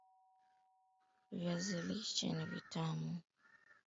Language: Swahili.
wa Amazon Umepata mrefu na Wanasayansi hawajui Jinsi